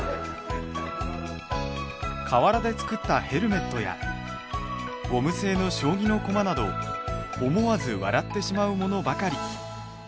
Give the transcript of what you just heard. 瓦で作ったヘルメットやゴム製の将棋の駒など思わず笑ってしまうものばかり。